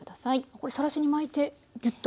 これさらしに巻いてぎゅっと。